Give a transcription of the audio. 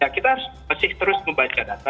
kita masih terus membaca data